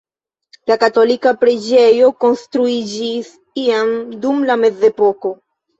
La katolika preĝejo konstruiĝis iam dum la mezepoko.